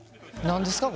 何ですか？